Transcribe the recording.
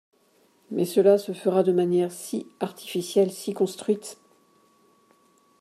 Mais cela se fera de manière si artificielle, si construite